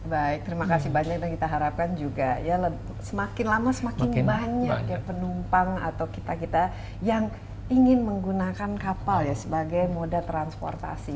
baik terima kasih banyak dan kita harapkan juga ya semakin lama semakin banyak ya penumpang atau kita kita yang ingin menggunakan kapal ya sebagai moda transportasi